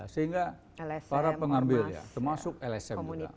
sehingga para pengambil ya termasuk lsm juga